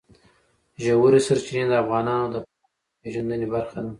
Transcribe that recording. ژورې سرچینې د افغانانو د فرهنګي پیژندنې برخه ده.